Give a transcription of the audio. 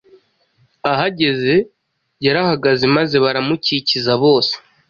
Ahageze yarahagaze maze baramukikiza bose.